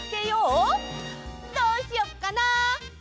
どうしよっかな。